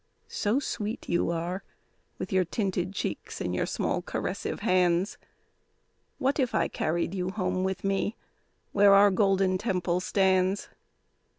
So sweet you are, with your tinted cheeks and your small caressive hands, What if I carried you home with me, where our Golden Temple stands?